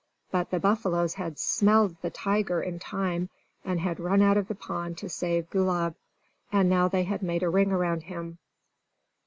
But the buffaloes had smelled the tiger in time, and had run out of the pond to save Gulab. And now they had made a ring around him.